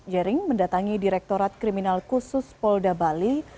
jering mendatangi direktorat kriminal khusus polda bali